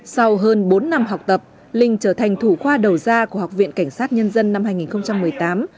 sau hơn bốn năm học tập linh trở thành thủ khoa đầu ra của học viện cảnh sát nhân dân năm hai nghìn một mươi tám